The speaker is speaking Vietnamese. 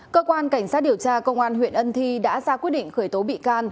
cơ quan cảnh sát điều tra công an huyện ân thi đã ra quyết định khởi tố bị can